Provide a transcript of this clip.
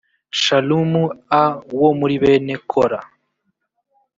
shalumu a wo muri bene kora